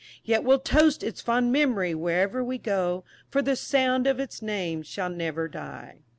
Yet we'll toast its fond mem'ry wherever we go, For the sound of its name shall ne'er die.